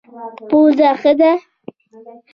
پوزه ښه ده.